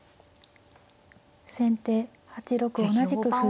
先手８六同じく歩。